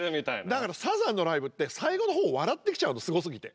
だからサザンのライブって最後のほう笑ってきちゃうのすごすぎて。